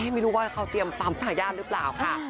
ไม่รู้ว่าเขาเตรียมปั๊มทายาทหรือเปล่าค่ะ